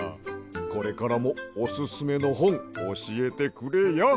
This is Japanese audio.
これからもオススメのほんおしえてくれや。